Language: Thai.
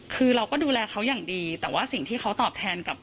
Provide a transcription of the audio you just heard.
คือเราก็ดูแลเขาอย่างดีแต่ว่าสิ่งที่เขาตอบแทนกับ